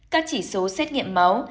các chỉ số xét nghiệm máu